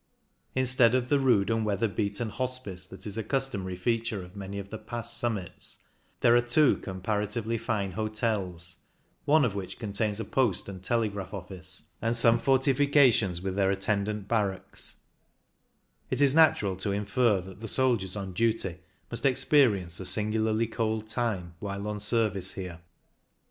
Instead of the rude and weather beaten hospice that is a customary feature of many of the pass summits, there are two comparatively fine hotels — one of which contains a post and telegraph office — ^and some fortifications, with their attendant barracks; it is natural to infer that the soldiers on duty must experience a singularly cold time while on service here.